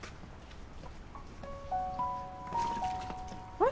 あれ？